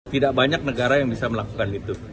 tidak banyak negara yang bisa melakukan itu